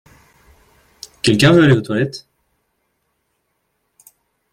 Quelqu'un veut aller aux toilettes?